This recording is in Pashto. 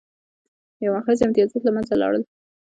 یو اړخیز امتیازات له منځه لاړل.